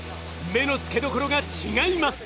目の付けどころが違います！